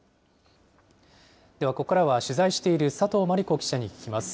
ではここからは取材している佐藤真莉子記者に聞きます。